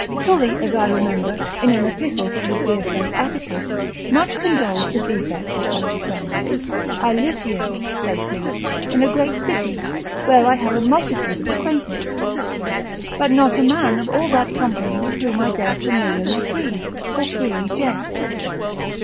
Tully, as I remember, in an epistle to his dear friend Atticus, much condoles the defect of such a friend. I live here (saith he) in a great city, where I have a multitude of acquaintance, but not a man of all that company with whom I dare familiarly breathe, or freely jest.